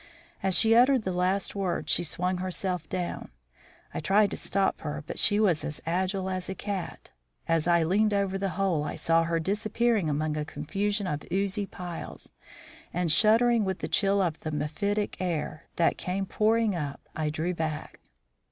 As she uttered the last words she swung herself down. I tried to stop her, but she was as agile as a cat. As I leaned over the hole I saw her disappearing among a confusion of oozy piles; and shuddering with the chill of the mephitic air that came pouring up, I drew back.